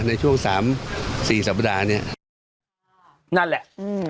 ในช่วงสามสี่สัปดาห์เนี้ยนั่นแหละอืม